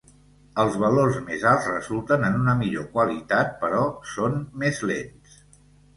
Els valors més alts resulten en una millor qualitat, però són més lents.